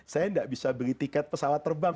saya tidak bisa beli tiket pesawat terbang